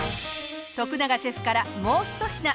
永シェフからもうひと品！